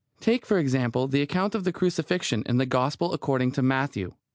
Take, for example, the account of the Crucifixion in the Gospel according to Matthew.